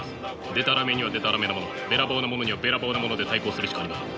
でたらめにはでたらめなものべらぼうなものにはべらぼうなもので対抗するしかありません。